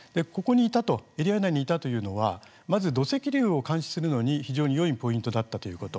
エリア内にいたというのはまず土石流を監視するのに非常によいポイントだったということ。